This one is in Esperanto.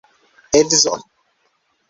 Edzon?